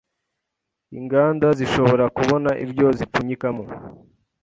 inganda zishobora kubona ibyo zipfunyikamo